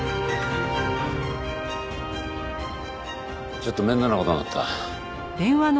ちょっと面倒な事になった。